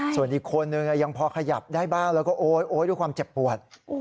ส่วนอีกคนนึงยังพอขยับได้บ้างแล้วก็โอ๊ยด้วยความเจ็บปวด